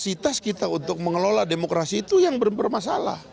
kapasitas kita untuk mengelola demokrasi itu yang bermasalah